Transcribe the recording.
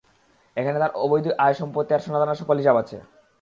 এখানে তোর অবৈধ আয়, সম্পত্তি আর সোনাদানার সকল হিসাব আছে।